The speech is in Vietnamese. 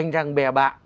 anh chàng bè bạn